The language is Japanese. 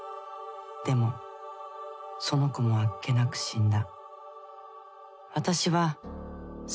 でもその子もあっけなく死んだ。